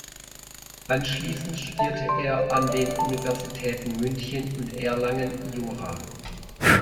Anschließend studierte er an den Universitäten München und Erlangen Jura.